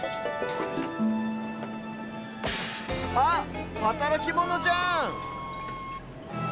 あっはたらきモノじゃん！